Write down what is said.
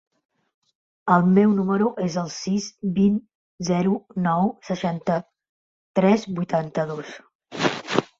El meu número es el sis, vint, zero, nou, seixanta-tres, vuitanta-dos.